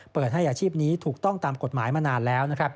เปิดให้อาชีพนี้ถูกต้องตามกฎหมายมานานแล้ว